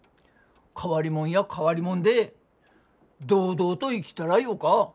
変わりもんや変わりもんで堂々と生きたらよか。